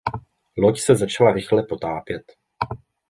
Loď se začala rychle potápět.